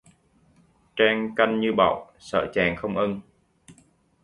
Trang cân như bậu, sợ chàng không ưng